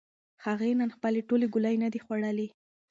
هغې نن خپلې ټولې ګولۍ نه دي خوړلې.